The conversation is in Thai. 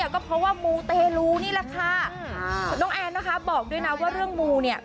ก็เพราะว่ามูเตลูนี่แหละค่ะน้องแอนนะคะบอกด้วยนะว่าเรื่องมูเนี่ย